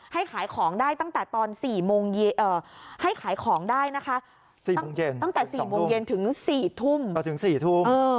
ให้ขายของได้ตั้งแต่ตอน๔โมงเย็นถึง๔ทุ่ม